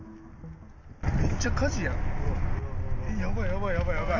めっちゃ火事やん。